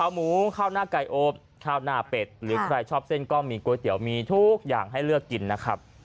หรือใครชอบเส้นก็มีก๋วยเตี๋ยวมีทุกอย่างให้เลือกกินนะครับ